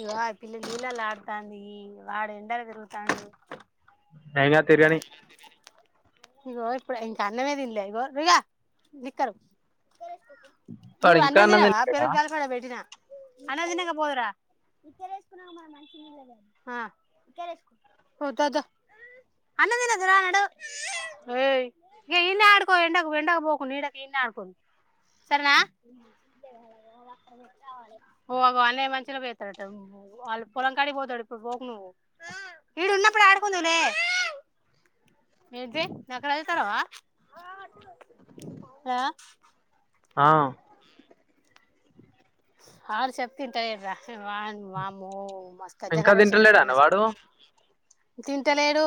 ఇగో ఆ పిల్ల నీళ్ళలా ఆడుతాంది వాడు ఎండల తిరుగుతండు ఎం కాదు తిరగని ఇగో ఇప్పుడు ఇంకా అన్నమే తిన్లే ఇగో నిక్కరు వాడు నువ్ ఇంకా అన్నం తినవ తినలేదా పెరుగు కలిపి అడ పెట్టిన అన్నదినంగా పోదు రా ఆ ఓ ద ద అన్నం తినుదు దా నడు ఏ ఇగ ఇన్నే ఆడుకో ఎండకు ఎండకు పోకుం నీడ గిన్నె ఆడుకో సరేనా ఓ ఆగో అనే మంచిలో పోస్తాడట వాళ్ళు పొలం కడిగిపోతాడు ఇప్పుడు పోకు నువ్వు ఈడ ఉన్నప్పుడు ఆడుకుందూ లే ఏ నకరా చేతనవా ఆ ఆ అడు చెప్తే ఇంట లేడు రా వాని వామ్మో మస్త ఇంకా కజాకర్ వేషం తింటలేడా అన్న ఎత్తండు వాడు [unintelligible] తింటలేడు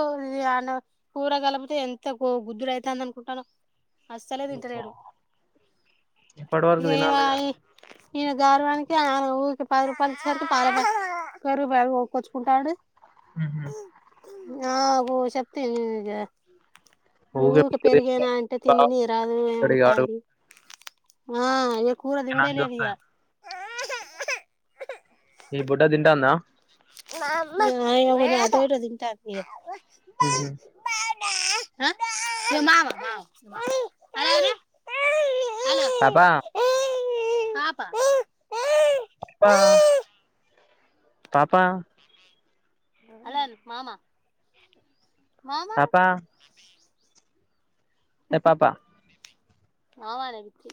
అ కూరగలిపితే ఎంతకు గుద్దుడు అయితంది అనుకుంటానవు అస్సలే తింటలేడు ఇప్పటి ఇగ వరకు ఈమె తినాలిగా అయి ఈయన గౌరవానికి ఆయన ఊకే పది రూపాయలు ఇచ్చేసరికి పాల ప్యాకెట్ పెరుగు ప్యాకెట్ కొకచుకుంటాడు ఉహు ఆ ఓ చెప్తన్ నిగ నువ్ ఊకే ఫుడ్ పెరిగేనా తింటాడు. అంటే బాగా తిననియ రాదు తింటాడు ఇక వాడు. ఏమయితాంది ఆ కూర తినుడే నన్ను లేదు ఈయా చూస్తాడు. ఈ బుడ్డ తింటందా ఆ ఇగ కొంచెం అటో ఇటో తింటది ఇగ హు హుమ్ ఆ ఇగ మామ మామ ఆ హలో అను పాప పాప పప్పా పాపా ఆలో అను మామ మామ పాపా ఏ పాప ఆవాల విచ్చి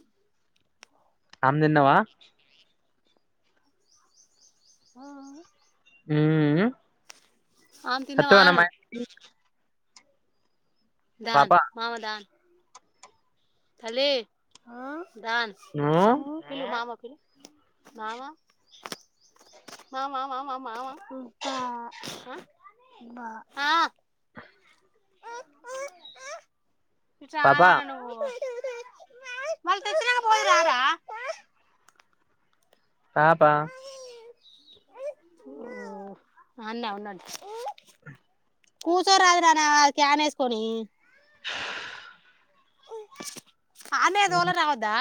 ఆమ్దిన్నవా ఆ హు మ్మ్ మ్ ఆమె తిన్నవా అత్తవనే మా అను ఇంటికి దాన్ మామ దాన్ తల్లి ఆ డాన్స్ మ్మ్ పిలు మామ పిలు మామా మా మా మా మా మామ ఆ ఇటు రా పాపా నాన్న నువ్వు మళ్ళ తెచ్చినాక పోదు రా రా పాప కూర్చొ రాదు నానా క్యాన్ వేసుకొని ఓ అన్నే ధోలారా వద్దా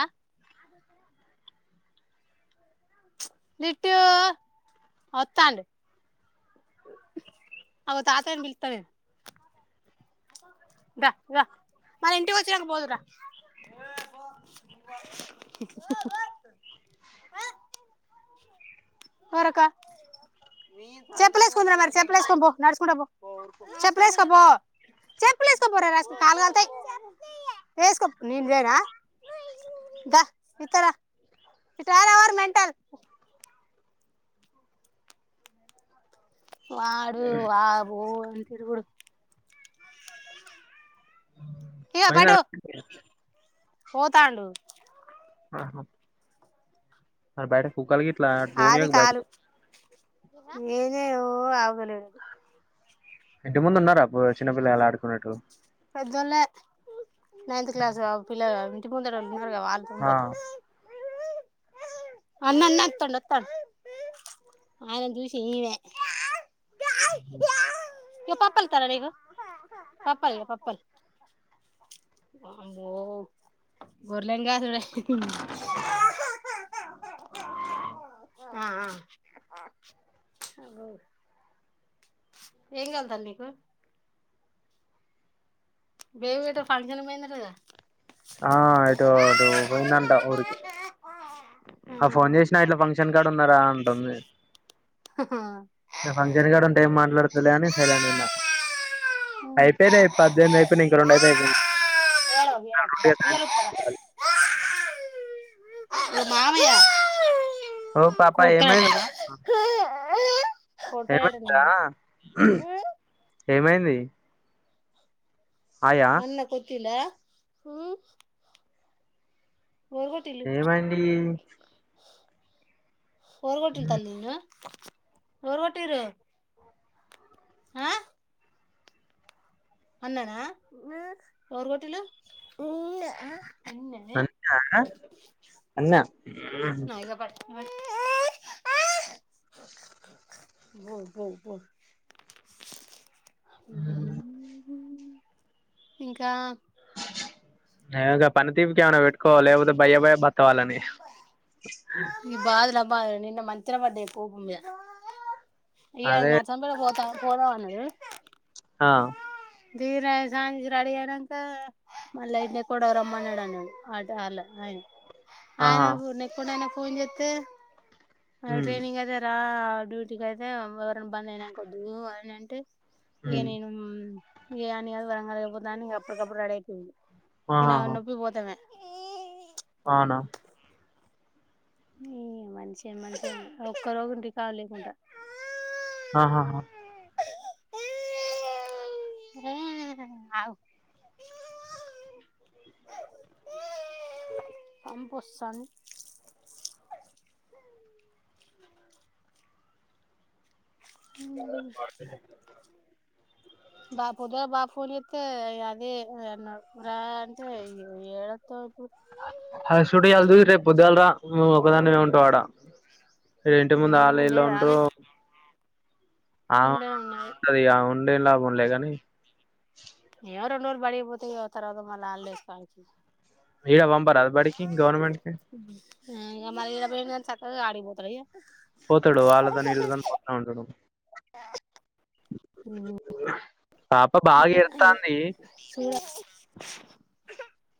లిట్టు వత్తాండు అగో తాతని బిలుత్త నేన్ దా దా మన ఇంటికి వచ్చినంగ్ పోోదు రా వరక చెప్పులు వేసుకుందురా మరి చెప్పులు వేసుకో పో నడుచుకుంట పో చెప్పులు ఏసుకోపో చెప్పులు ఏసుకోపోరా కాలు కలతాయి వేసుకో నేను లేనా దా ఇతరా ఇటు రా మరి మంటల్ వాడు వా ఓ ఏం తిరుగుడు ఇక పటు పోయినార కి పోతాండు ఆహా నా బ్యాడ ఫకాలు గలా భోని బైటి ఏదే ఓ ఆవలిదు ఇంటి ముందు ఉన్నారా చిన్నపిల్లలు ఆడుకున్నట్లు పెద్దోళ్ళే నైన్త్ క్లాస్ పిల్లలు ఇంటి ముందరోళ్ళు వాళ్ళుకుం ఆ పోతు అన్న అన్న వత్తడు వత్తడు ఆయన చూసి ఈయన ఉ ఇ పాప్ప ఇతారా నీ పప్పయి బఓ గోర్లంగాసడ ఆ అ ఏం కళ్ళతల్లి నీకు బేబీ గిట్ట ఫంక్షన్ పోయింద కదా ఆ ఇటు అటు పోయిందంట ఊరికి ఆ ఫోన్ చేసిన ఇట్లా ఫంక్షన్ కార్డ్ ఉన్నారా అంటుంది ఏడవకు ఫంక్షన్ కార్డు ఉంటే ఏం మాట్లాడుతులే అని సైలెంట్గాన్నారు అయిపోయినా పద్దెనిమిది అయిపోయినాయి ఇంక రెండు అయితే అయిపోయి ఏడవకు దా, ఆ రా మామయ్య ఓ పాప కూటగాట ఏమైంది కోటగాట ఏమైందా ఆ అమ్మ కొట్టిందా ఉమ్ ఏమండి [unintelligible] వ వాటిరు ఆ అన్ననా ఎరు కోటిలు అన్న అన్న నా ఇక పడు ఉమ్ ఆ [unintelligible] ఓ పోో పో ఉమ్ హు ఇంకా ఏకా పనతీపుకివనా వెట్ కో లేకపోతే బయ్య భయ బతవాలని ఈ బాధల నిన్న మంచర పడ్డాయి కోపుమీద ఇ అదే ఆదు చంపన పోత పోదా ఉన్నరు ఆ దీర సాయంత అెడిీ అయినాక మళ్ళీ అంటి కొడవ రమ్మన్నాడున్నాడు వాళ్ళ ఆయన ఆయన ఆహా పూ న ఎప్పుడైనా ఫోన్ చేత్తె అర ఉమ్ ట్రినింగ్ అదేరా ఆ డ్యూటీకి అయితే ఎవరనా బంద్ అయినాకద్దు అని అంటే ఉమ్ ఏనేను ఇయానీ అది వరంగ ఇప్పుడుతా అప్పుడుకప్పుడు రేడి అయిపోయింది ఇనా ఆహాహా నొబ్బి పోతమే అవునా ఈ మనిషే మంచి ఒక్క రోజు ఉంటే కాలీగ లేకుండా ఆహాా హ అవు అ బొస్సన్ అ బాపుుద బాపుునిత్తే అదే అన్నాం రా అంటే ఇడ ఏళ తాకు అ సుడి వెల్దు రేపు పొద్దులరా మ ఒకదాన్ని ఉంటా అడా ఇంటి ముందు ఆాల మ్మ్ ఇలు లేదా ఆమె ఉండరు ఉండనే ఉన్నది అవువుంటది అవు ఉండే లాభమేలే గానీ ఎవరున్నోరు బడి పోతేవతరవా మళ వాళ్ళే ఎస్త ఇడ వంబరా బడికి గవర్నమెంట్ కి అ అడిపోత ఇయా పోతాడు వాళ్ళతోని ఇళ్ళతోని పోత ఉంటాడు పాప బాగా ఇడతాంది చూడు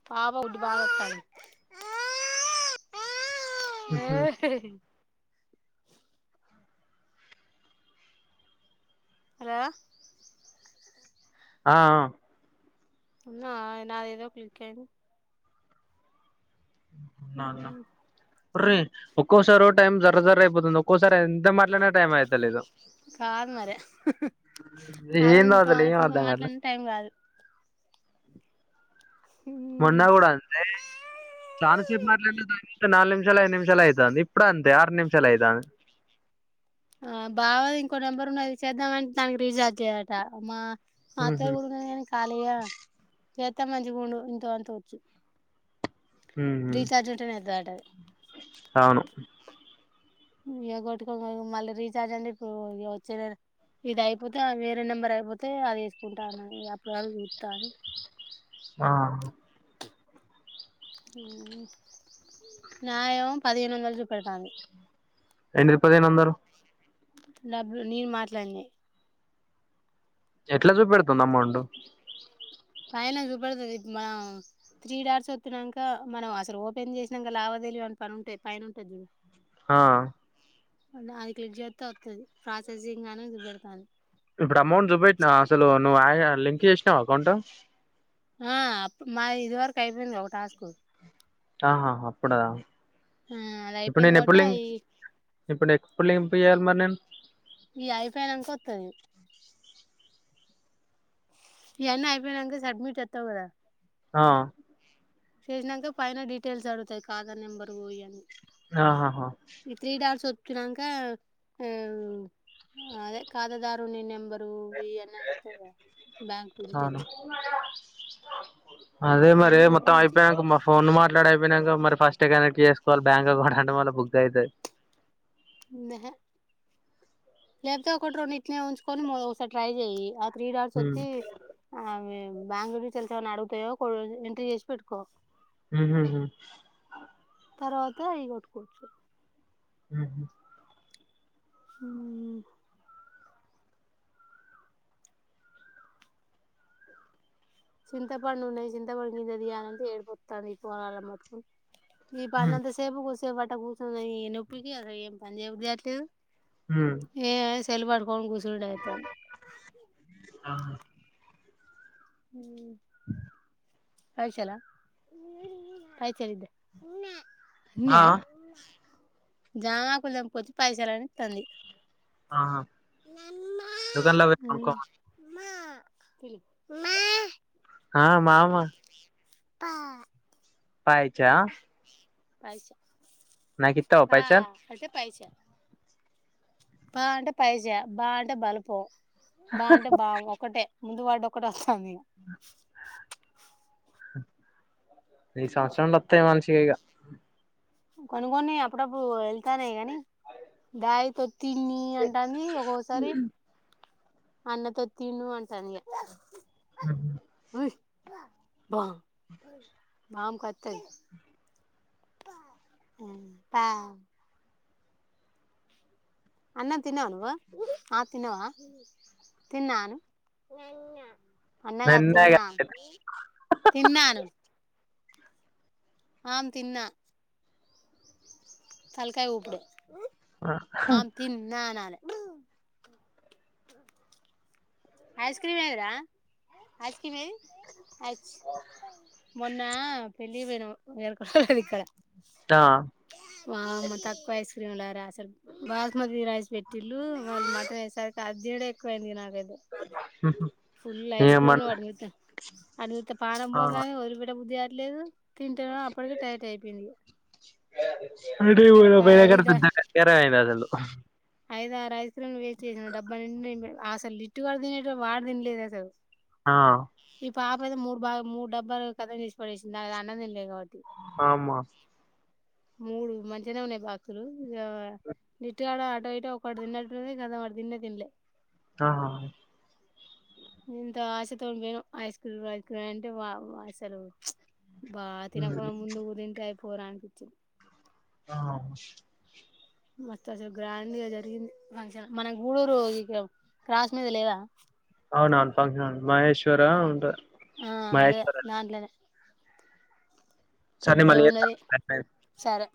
పాప గోడ్డు బాగవస్తాంది. ఆ హుహు. ర ఆ ఉన్నావా నాదేమో క్లిక్ అయింది నాన్న అయింది ఉర్రె ఒక్కోసారి టైం జర్ర జర్ర అయిపోతుంది ఒక్కోసారి ఎంత మాట్లాదినా టైం అయితలేదు కాదు మరి హుమ్ ఏందో ఆలోకో అసలు ఏం ఆలోచనతో అర్థం కాట్లే మాట్లాడిన టైం కాదు మొన్న కూడాడ అంతే చాన సెబ్ మాట్లె దా నాలుగు నిమిషాలు ఐదు నిమిషాలు ఆయి తాంది ఇప్పుడు అంటే ఆరు నిమిషాలు అయిత అ ఆ బావ ది ఇంకో నెంబర్ ఉన్నది చేద్దామంటే దానికి రీజార్జ్ చేయ్యటమా ఉహు మాత్ర గుడు గన నను కాలీగా ఇంత మంచి గుండు ఇంతో ఆడు కోవచ్చు ఉహు రీచార్జ్ ఉంటేనే అయితదట తాను ఎగొటి మళ్ళీ రీఛార్జ్ అండి ఇప్పుడు వచ్చే ఇది అయిపోతే వేరే నెంబర్ అయిపోతే అది వేసుకుంటానని అప్పటి వరకు చూస్తాని ఆ న్యాయం పదిహేను వందలు చూపెడతాంది అయనరు పదే నొందరు డబ్బులు నేను మాట్లాడినా ఎట్లా చూపెడుతొంది అమౌంట్ పైన చూపడుతుంది మనం త్రీ డార్స్ వచ్చినాక మనం అసలు ఓపెన్ చేసినాక లావాదేలివ అని పని ఉంటా పైన ఉంటది చూ ఆయ్ అది క్లిక్ చేస్త వస్తుది ప్రాసెసింగ్ అనేది పెడతుంది ఇప్పుడు అమౌంట్ జుబెట్టినా అసలు నువ్ లింకేజ్ కొట్టినవ అకౌంట ఆ మాది వరకు అయిపోయింది ఒక టాస్క్ ఆహ హ అప్పుడా ఉమ్ అది అయిపోయింది కాబట్టి అవి ఇప్పుడ్ ఎప్పుడ్ ఇంపయాలి మరి నేను ఇ అయిపోయినాక వస్తాను ఎన్న అయిపోయినాక సడ్మిట్ కొడతా కదా ఆ చేసినాక పైన డీటెయిల్స్ అడుతాయి కాదర్ నెంబర్ ఇయన్నీ ఆహ హ ఈ డొంక ఉమ్ అదే ఖాతాదారుని నెంబరు ఈ యన్న బ్యాంక్ అవును డీటెయిల్స్ అదే మరె అవి మొత్తం కొట్టింది అయిపోయాక ఫోన్ మాట్లాడి అయిపోయినాక మరి ఫస్ట్ కనెక్ట్ చేసుకోవాలి బ్యాంక్ అకౌంట్ అంటె మల్లి బుక్ అవుతుంది నేహె లే కాకు ఒకటి రెండి ఇట్నే ఉంచుకొని ఒకసారి ట్రై చెయి త్రీ డర్స్ వచ్చ ఆ బెంగళూరు. కెళ్తున్నాడు [inaudible] తెలుసామని అగుతాయో ఎంట్రీ చేసి పెట్టుకో ఊహు హు తర్వాత ఇవి కట్టుకోవచ్చు హ్మ్ హు హ్మ్ చింతపండు ఉన్నాయ్ చింతపండు గింజ దియ్యలంటే ఏడ్పోతాంది ఈ పోలాల మటుకు ఈ ఉహు పనంతసేప్ కూర్సు కొంసేప్ అట్ట కూర్చున్నా ఈ నొప్పులకి అసలు ఏం పని జేయబుద్లేదు ఉహు ఏ వాయ్స్ తెల్వడ్న్కోన్ కూర్ [unintelligible] అయితాంది ఆ మ్మ్ పైస్యల పైస్యలిదో ఇన్య ఆహా జామాకులు తెంపుకొచ్చి పైసలని ఇత్తంది ఆహా దుకాన్లో పేట్ పంన్కోమను పిలువ్ ఆ మామా పైచ పైస నాకిత్తావ పైసల్ పైస పా పైజా బా బలుపం బా అంటే బాము ఒకటే ముందువాడు ఒక్కటి వస్సందిగ ఈ సంవత్సరంలో వత్తయి మంచిగిగా కొను గొని అప్పుడప్పుడు వెళ్తానే కాని దాయితో తిన్ని అంటంది ఒకోసారి అన్నతొ తిను అంటందిగా మ్మ్ హ్మ్ బా మామ్ కత్తది మ్ పా అన్నం తిన్నావ నువ్వు ఆ తిన్నావా తిన్నా అను. అన్నగా నిన్నే ఇగ తిన్నా తిన్నా అను ఆం తిన్నా తలకాయ ఉఊపుడే ఆమ్ తిన్నా న ఐస్ క్రీమ్ వరా అజకి మీేయి అ మొన్న పెళ్లి ది ఇక్కడ ఆ వామ్మ తక్కువ ఇసు క్రీమ్లార అసలు బాస్మతి రైస్ పెట్టిళ్ళలు వా మటన్ వేసరి అదిీడ ఎక్కువయింది నాక అది ఫుల్ ఐస్క్రీమ్ ఏమన్నా వాడిన అ పానం పోంగానే వదిలి పెట్ట బుద్ధి లేదు అడ ఒక ఐదు పెద్ద కరందస ఐదారు లు వేస్ట్ చేసిన డబ్బానిండా ఆసలు లిట్టువడదిన వాడి తంలేదు అ కదు ఆ పాపద మూడుామూడు డబ్బ కథం చేసి పడేసింది అది అన్నందం లేదు కాట్టి ఆమ మూడు మంచిగానే ఉన్నాయి బాక్ సు లు జిట్టుకాడ ఆటో అయిట ఒకటి తింేట కదా వాటి తింే తిినలే ఆ ఎంత ఆశతోండి పోఇనాం ఐస్క్రూ వైస్క్ర అంటే వా అసలు బా ఉమ్. తినకుడా ముందుగు తంతాయి పోరానికిపించింది ఆ మస్తు అసలు గ్రాండ్గా జరిగింది ఫంక్షన్ మన ఊడూరు ఇక క్రాస్ మీద లేదా అవునను ఫంక్షన్ మహేశ్వరా ఉంట ఆ అదే మహేశ్వర అ దాంట్లోనే సరే పెద్దగా మల్లి ఉన్నది జేత్త సరే